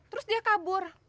terus dia kabur